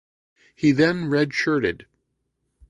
He then redshirted.